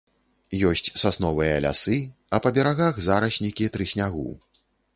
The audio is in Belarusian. Ёсць сасновыя лясы, а па берагах зараснікі трыснягу.